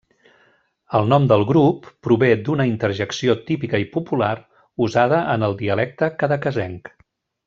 El nom del grup prové d'una interjecció típica i popular usada en el dialecte cadaquesenc.